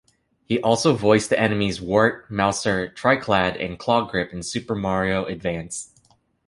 He also voiced the enemies Wart, Mouser, Tryclyde, and Clawgrip in "Super Mario Advance".